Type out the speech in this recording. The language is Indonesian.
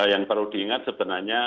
yang perlu diingat sebenarnya